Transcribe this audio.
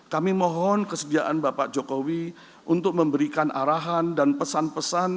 kami mohon kesediaan bapak jokowi untuk memberikan arahan dan pesan pesan